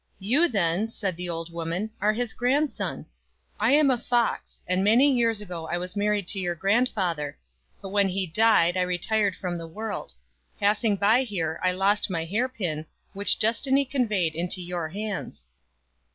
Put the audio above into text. "You, then" said the old woman, "are his grandson. I am a fox, and many years ago I was married to your grandfather; but when he died I re tired from the world. Passing by here I lost my hair pin, which destiny conveyed into your hands."